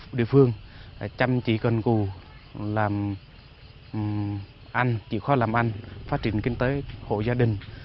sau khi về địa phương chăm chỉ cân cụ làm ăn chỉ khó làm ăn phát triển kinh tế hộ gia đình